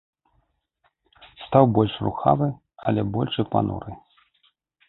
Стаў больш рухавы, але больш і пануры.